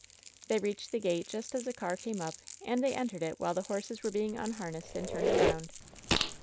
They reached the gate just as a car came up, and they entered it while the horses were being unharnessed and turned around.